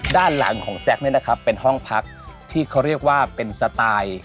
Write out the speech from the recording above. ด้านหลังของแจ๊คเนี่ยนะครับเป็นห้องพักที่เขาเรียกว่าเป็นสไตล์